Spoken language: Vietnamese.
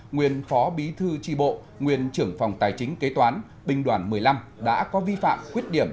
nguyên phó bí thư tri bộ nguyên trưởng phòng tài chính kế toán binh đoàn một mươi năm đã có vi phạm khuyết điểm